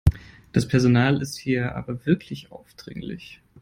Das Personal ist hier aber wirklich aufdringlich.